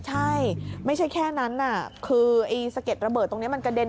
ใช่ไม่ใช่แค่นั้นคือไอ้สะเก็ดระเบิดตรงนี้มันกระเด็น